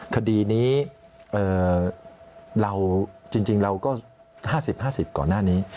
คดีนี้จริงเราก็๕๐๕๐ก่อนหน้านี้